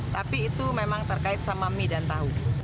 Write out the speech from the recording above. tapi itu memang terkait sama mie dan tahu